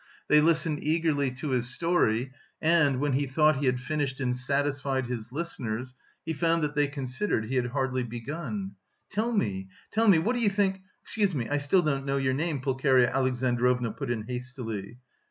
They listened eagerly to his story, and, when he thought he had finished and satisfied his listeners, he found that they considered he had hardly begun. "Tell me, tell me! What do you think...? Excuse me, I still don't know your name!" Pulcheria Alexandrovna put in hastily.